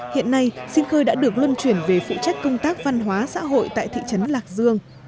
hiện nay sinh khơi đã được luân chuyển về phụ trách công tác văn hóa xã hội tại thị trấn lạc dương